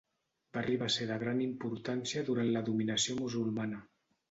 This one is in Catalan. Va arribar a ser de gran importància durant la dominació musulmana.